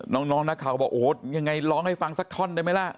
น้องนักข่าวก็บอกโอ้โหยังไงร้องให้ฟังสักท่อนได้ไหมล่ะ